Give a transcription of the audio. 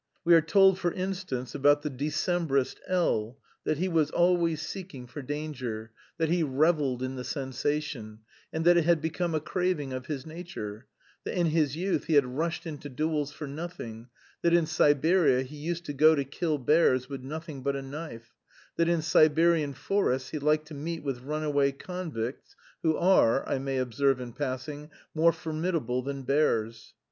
We are told, for instance, about the Decabrist L n, that he was always seeking for danger, that he revelled in the sensation, and that it had become a craving of his nature; that in his youth he had rushed into duels for nothing; that in Siberia he used to go to kill bears with nothing but a knife; that in the Siberian forests he liked to meet with runaway convicts, who are, I may observe in passing, more formidable than bears.